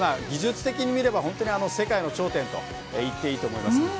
技術的に見れば本当に世界の頂点といっていいと思います。